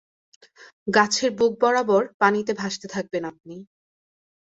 গাছের বুক বরাবর পানিতে ভাসতে থাকবেন আপনি।